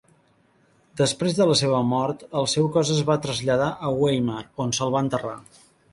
Després de la seva mort, el seu cos es va traslladar a Weimar, on se'l va enterrar.